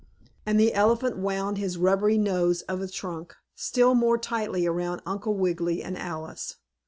and the elephant wound his rubbery nose of a trunk still more tightly around Uncle Wiggily and Alice.